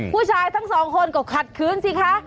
ผู้ชายทั้งสองคนก็ขัดคืนสิคะ